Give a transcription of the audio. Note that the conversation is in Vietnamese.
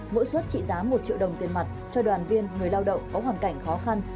mỗi suất trị giá một triệu đồng tiền mặt cho đoàn viên người lao động có hoàn cảnh khó khăn